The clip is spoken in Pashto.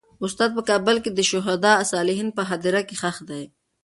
استاد په کابل کې د شهدا صالحین په هدیره کې خښ دی.